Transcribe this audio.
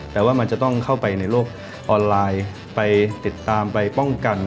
แต่ว่ามันจะต้องเข้าไปในโลกออนไลน์ไปติดตามไปป้องกัน